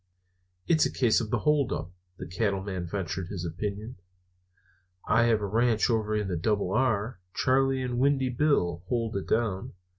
"It's a case of hold up," the Cattleman ventured his opinion. "I have a ranch over in the Double R. Charley and Windy Bill hold it down.